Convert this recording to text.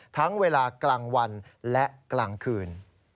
ทั้งเวลากลางวันและกลางคืน